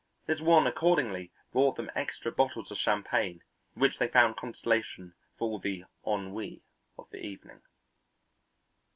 This one accordingly brought them extra bottles of champagne in which they found consolation for all the ennui of the evening.